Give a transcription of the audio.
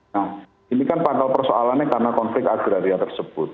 nah ini kan pangkal persoalannya karena konflik agraria tersebut